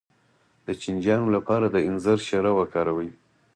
د چینجیانو لپاره د انځر شیره وکاروئ